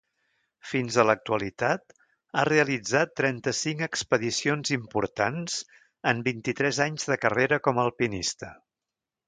Fins a l'actualitat, ha realitzat trenta-cinc expedicions importants en vint-i-tres anys de carrera com alpinista.